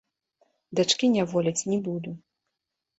Дачкі няволіць не буду.